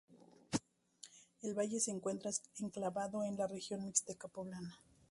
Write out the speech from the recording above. El valle se encuentra enclavado en la Región Mixteca Poblana.